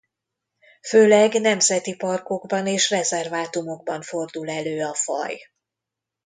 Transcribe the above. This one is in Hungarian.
Főleg nemzeti parkokban és rezervátumokban fordul elő a faj.